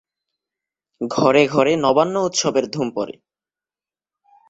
ঘরে ঘরে নবান্ন উৎসবের ধুম পড়ে।